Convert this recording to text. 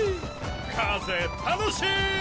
風楽しい！